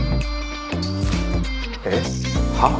えっ？はっ？